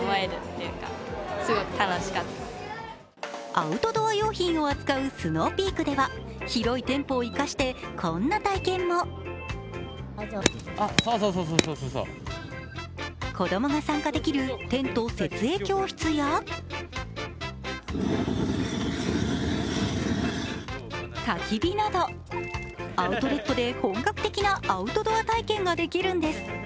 アウトドア用品を扱うＳｎｏｗＰｅａｋでは広い店舗を生かしてこんな体験も。子供が参加できるテント設営教室やたき火など、アウトレットで本格的なアウトドア体験ができるんです。